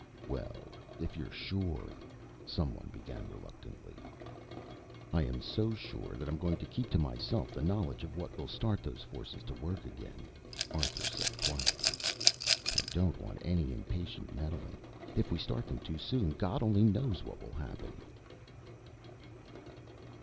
"Well, if you're sure " some one began reluctantly. "I am so sure that I'm going to keep to myself the knowledge of what will start those forces to work again," Arthur said quietly. "I don't want any impatient meddling. If we start them too soon God only knows what will happen."